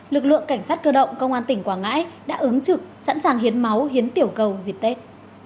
lực lượng cảnh sát cơ động công an tỉnh quảng ngãi đã ứng trực sẵn sàng hiến máu hiến tiểu cầu dịp tết